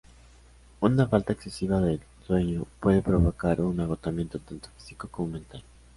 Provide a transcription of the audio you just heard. Una falta excesiva de sueño puede provocar un agotamiento tanto físico como mental.